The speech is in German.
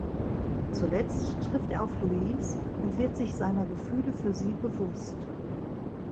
Zuletzt trifft er auf Louise und wird sich seiner Gefühle für sie bewusst.